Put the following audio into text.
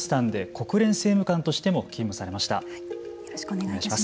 よろしくお願いします。